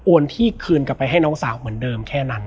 ที่คืนกลับไปให้น้องสาวเหมือนเดิมแค่นั้น